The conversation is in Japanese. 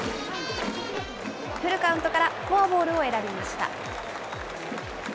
フルカウントからフォアボールを選びました。